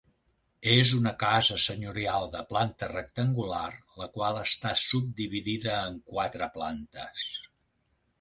És una casa senyorial de planta rectangular la qual està subdividida en quatre plantes.